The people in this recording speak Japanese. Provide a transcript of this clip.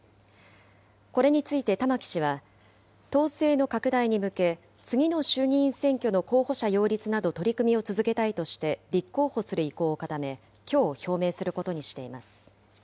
これについて玉木氏は、党勢の拡大に向け、次の衆議院選挙の候補者擁立など取り組みを続けたいとして、立候補する意向を固め、きょう表明することにしています。